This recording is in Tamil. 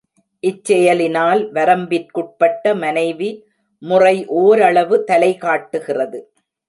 இச் செயலினால் வரம்பிற்குட்பட்ட மனைவி முறை ஓரளவு தலைகாட்டுகிறது.